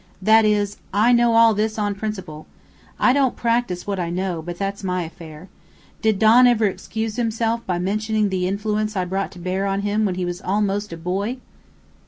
That is, I know all this on principle. I don't practise what I know, but that's my affair. Did Don ever excuse himself by mentioning the influence I brought to bear on him when he was almost a boy?"